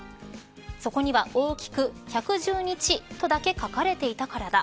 そこには大きく１１０日だけ書かれていたからだ。